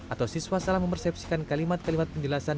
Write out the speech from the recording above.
atau siswa salah mempersepsikan kalimat kalimat penjelasan